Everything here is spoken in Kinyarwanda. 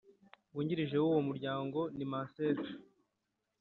Wungirije w uwo Muryango ni Masera